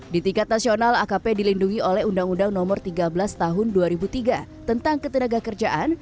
di tingkat nasional akp dilindungi oleh undang undang nomor tiga belas tahun dua ribu tiga tentang ketenaga kerjaan